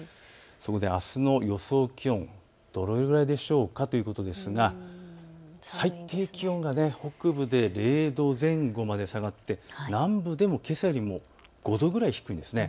そこで、あすの気温、どれくらいでしょうかということですが最低気温は北部で０度前後まで下がって南部でもけさより５度くらい低いですね。